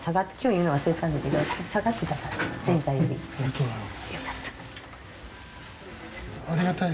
ありがとうございます。